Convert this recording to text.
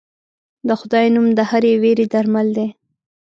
د خدای نوم د هرې وېرې درمل دی.